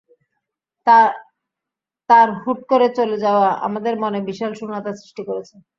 তার হুট করে চলে যাওয়া আমাদের মনে বিশাল শূন্যতা সৃষ্টি করেছে।